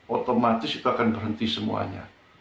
otomatis itu akan berhenti semuanya